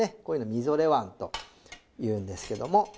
こういうのみぞれ椀というんですけども。